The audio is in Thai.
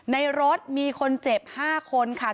ในรถมีคนเจ็บ๕คนค่ะ